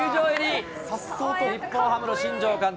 日本ハムの新庄監督。